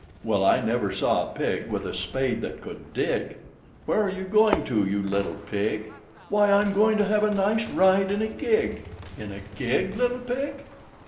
Well, I never saw a pig with a spade that could dig! Where are you going to, you little pig? "Why, I'm going to have a nice ride in a gig!" In a gig, little pig!